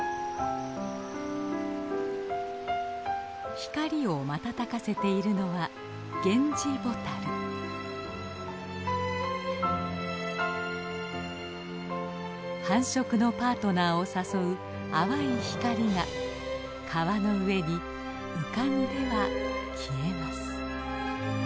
光を瞬かせているのは繁殖のパートナーを誘う淡い光が川の上に浮かんでは消えます。